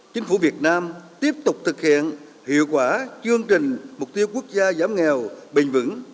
chính phủ việt nam tiếp tục thực hiện hiệu quả chương trình mục tiêu quốc gia giảm nghèo bình vững